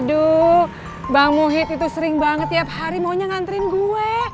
aduh bang muhid itu sering banget tiap hari maunya ngantrin gue